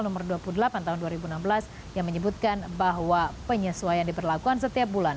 nomor dua puluh delapan tahun dua ribu enam belas yang menyebutkan bahwa penyesuaian diberlakukan setiap bulan